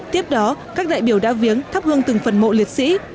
tiếp đó các đại biểu đã viếng thắp hương từng phần mộ liệt sĩ